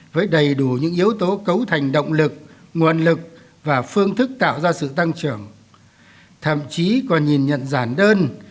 với đầy đủ những yếu tố cấu thành động lực nguồn lực và phương thức tạo ra sự tăng trưởng thậm chí còn nhìn nhận giản đơn